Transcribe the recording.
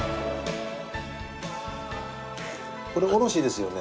これおろしですよね？